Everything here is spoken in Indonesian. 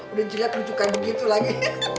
udah gilek lucukan begitu lagi